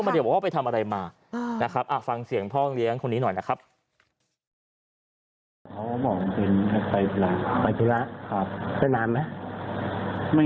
ไม่ครับก็ไปคนเล็กอยู่กับผม